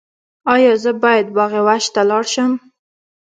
ایا زه باید باغ وحش ته لاړ شم؟